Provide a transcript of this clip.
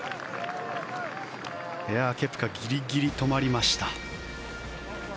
ケプカギリギリ止まりました。